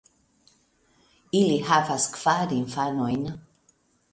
Ili havas kvar infanojn.